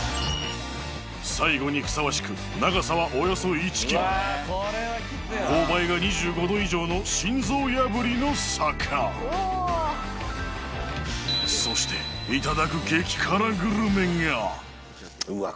最後にふさわしく長さはおよそ１ｋｍ勾配が２５度以上の心臓破りの坂そしていただくうわ